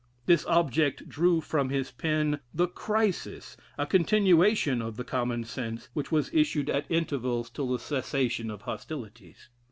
This object drew from his pen "The Crisis," a continuation of the "Common Sense," which was issued at intervals till the cessation of hostilities.